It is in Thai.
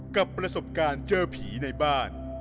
กับประสบการณ์เจอผีในบ้าน